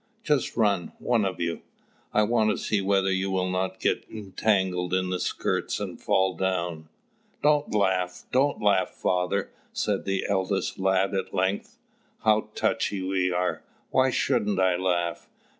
Just run, one of you! I want to see whether you will not get entangled in the skirts, and fall down." "Don't laugh, don't laugh, father!" said the eldest lad at length. "How touchy we are! Why shouldn't I laugh?"